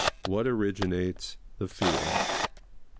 What originates the feeling?